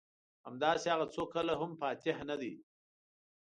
همداسې هغه څوک کله هم فاتح نه دي.